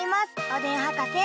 おでんはかせ。